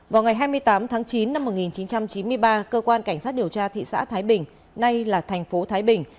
vào ngày hai mươi tám tháng chín năm một nghìn chín trăm chín mươi ba cơ quan cảnh sát điều tra thị xã thái bình nay là thành phố thái bình